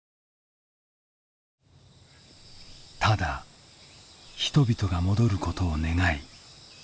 ただ人々が戻ることを願い